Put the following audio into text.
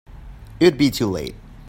It'd be too late.